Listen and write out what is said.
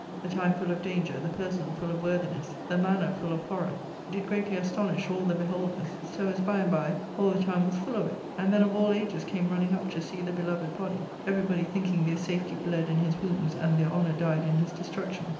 The time full of danger, the person full of worthiness, the manner full of horror, did greatly astonish all the beholders, so as by and by all the town was full of it, and then of all ages came running up to see the beloved body, everybody thinking their safety bled in his wounds and their honour died in his destruction.